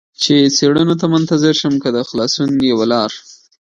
چې څېړنو ته منتظر شم، که د خلاصون یوه لار.